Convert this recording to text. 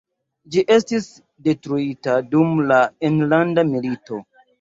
Ĝi estis detruita dum la Enlanda Milito.